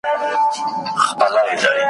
پر توپانو دي مېنه آباده ,